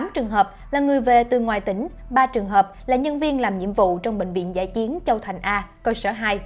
tám trường hợp là người về từ ngoài tỉnh ba trường hợp là nhân viên làm nhiệm vụ trong bệnh viện giải chiến châu thành a cơ sở hai